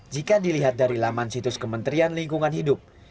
jika dilihat dari laman situs kementerian lingkungan hidup